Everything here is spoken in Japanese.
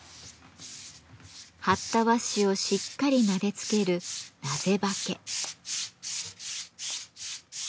貼った和紙をしっかりなでつける「なぜ刷毛」。